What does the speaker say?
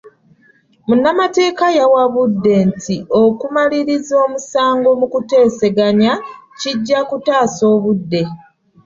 Munnamateeka yawabudde nti okumaliriza omusango mu kuteesaganya kijja kutaasa obudde.